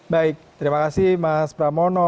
baik terima kasih mas pramono